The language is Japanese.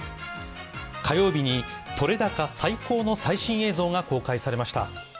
火曜日に撮れ高最高の最新映像が公開されました。